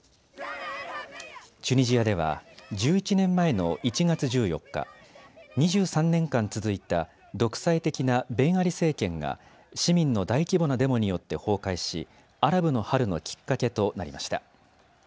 チュニジアでは１１年前の１月１４日、２３年間続いた独裁的なベンアリ政権が市民の大規模なデモによって崩壊しアラブの春のきっかけとなりました。